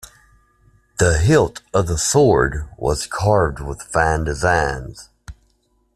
The hilt of the sword was carved with fine designs.